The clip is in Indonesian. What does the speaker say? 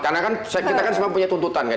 karena kan kita kan semua punya tuntutan kan